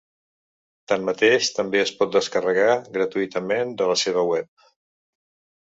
Tanmateix, també es pot descarregar gratuïtament de la seva web.